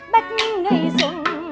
bách nghỉ xuân